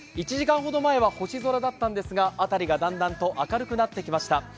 １時間ほど前は星空だったんですがあたりがだんだん明るくなってきました。